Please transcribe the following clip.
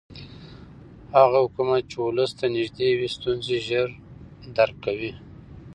هغه حکومت چې ولس ته نږدې وي ستونزې ژر درک کوي